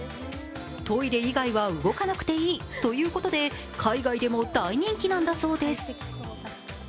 トイレ以外は動かなくていいということで海外でも大人気なんだそうです。